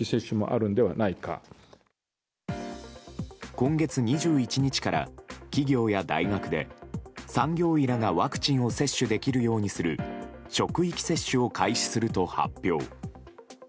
今月２１日から、企業や大学で産業医らがワクチンを接種できるようにする職域接種を開始すると発表。